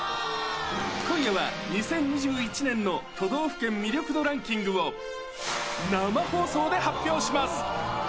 今夜は２０２１年の都道府県魅力度ランキングを、生放送で発表します。